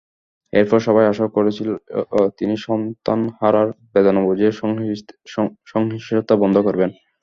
এরপর সবাই আশা করেছিল, তিনি সন্তানহারার বেদনা বুঝে সহিংসতা বন্ধ করবেন।